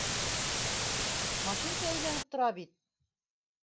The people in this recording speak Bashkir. — Машинка әйләнеп тора бит.